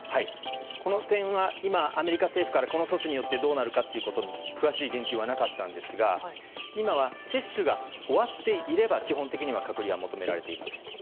この点は、今アメリカ政府からこの措置によってどうなるかということ詳しい言及はなかったんですが今は接種が終わっていれば基本的には隔離は求められていません。